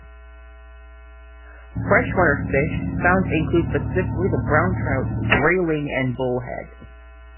Freshwater fish, found include specifically the brown trout, grayling and bullhead.